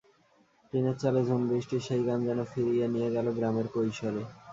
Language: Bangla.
টিনের চালে ঝুম বৃষ্টির সেই গান যেন ফিরিয়ে নিয়ে গেল গ্রামের কৈশোরে।